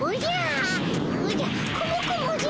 おじゃ！